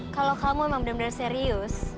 kalau kamu memang benar benar serius